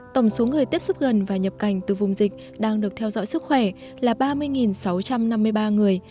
tổng số người tiếp xúc gần và nhập cảnh từ vùng dịch đang được theo dõi sức khỏe là ba mươi sáu trăm năm mươi ba người